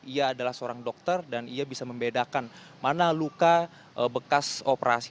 ia adalah seorang dokter dan ia bisa membedakan mana luka bekas operasi